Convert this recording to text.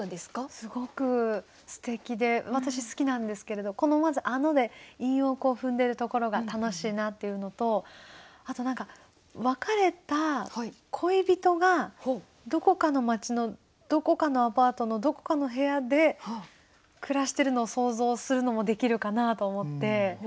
すごくすてきで私好きなんですけれどまず「あの」で韻を踏んでるところが楽しいなっていうのとあと別れた恋人がどこかの街のどこかのアパートのどこかの部屋で暮らしてるのを想像するのもできるかなと思って。